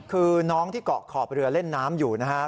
คือน้องที่เกาะขอบเรือเล่นน้ำอยู่นะฮะ